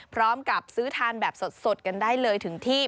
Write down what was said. พร้อมกับซื้อทานแบบสดกันได้เลยถึงที่